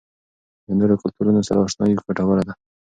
د نورو کلتورونو سره آشنايي ګټوره ده.